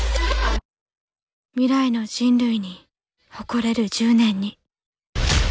未来の人類に誇れる１０年に。